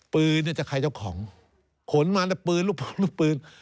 ปืนเนี่ยจะใครเจ้าของขนมาแต่ปืนลูกปืนลูกปืน